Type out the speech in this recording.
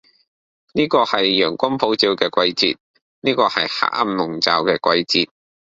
呢個係陽光普照嘅季節，呢個係黑暗籠罩嘅季節，